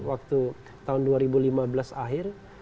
waktu tahun dua ribu lima belas akhir